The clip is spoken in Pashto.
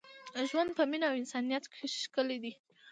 ژوند په مینه او انسانیت ښکلی دی.